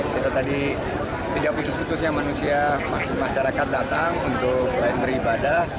kita tadi tidak putus putusnya manusia masyarakat datang untuk selain beribadah